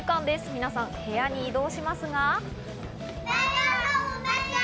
皆さん部屋に移動しますが。